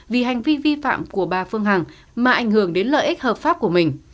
vì hành vi vi phạm của bà phương hằng mà ảnh hưởng đến lợi ích hợp pháp của mình